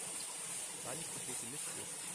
Sei nicht so pessimistisch.